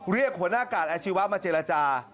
เรียกหัวหน้ากาศอาชีวะมาเจรจา